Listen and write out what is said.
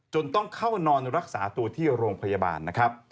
ต้องเข้านอนรักษาตัวที่โรงพยาบาลนะครับ